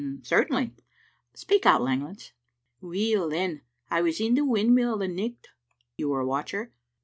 "Certainly. Speak out, Langlands." "Weel, then, I was in the windmill the nicht." "You were a watcher?"